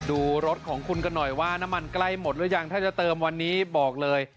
ดูรถของคุณกันหน่อยว่าน้ำมันใกล้หมดหรือยังถ้าจะเติมวันนี้บอกเลย